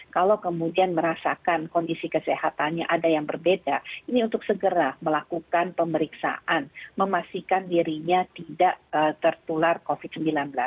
kalau kemudian merasakan kondisi kesehatannya ada yang berbeda ini untuk segera melakukan pemeriksaan memastikan dirinya tidak tertular covid sembilan belas